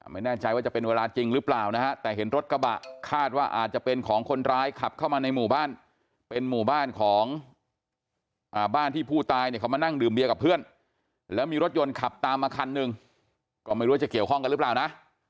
ไม่แน่ใจว่าจะเป็นเวลาจริงหรือเปล่านะฮะแต่เห็นรถกระบะคาดว่าอาจจะเป็นของคนร้ายขับเข้ามาในหมู่บ้านเป็นหมู่บ้านของบ้านที่ผู้ตายเนี่ยเขามานั่งดื่มเบียร์กับเพื่อนแล้วมีรถยนต์ขับตามมาคันหนึ่งก็ไม่รู้ว่าจะเกี่ยวข้องกันหรือเปล่านะ